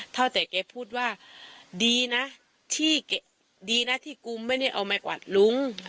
เท่าแต่แม่พูดว่าดีนะที่กูไม่ได้เอาไม้กวาดลุ้ง